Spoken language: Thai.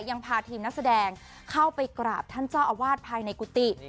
ยังพาทีมนักแสดงเข้าไปกราบท่านเจ้าอาวาสภายในกุฏิ